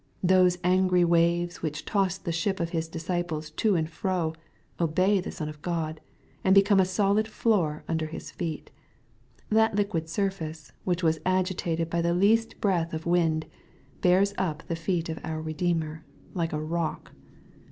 Those angry waves which tossed the ship of His disciples to and fro, obey the Son of Gkxi, and become a solid £Dor under His feet. That li([uid surface, which was agitated by the least breath of wind, bears up the feet of our Redeemer, like a rock.